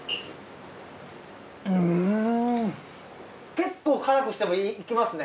結構辛くしてもいけますね。